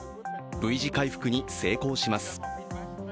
Ｖ字回復に成功します。